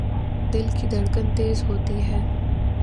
دل کی دھڑکن تیز ہوتی ہے